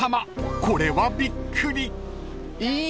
これはびっくり］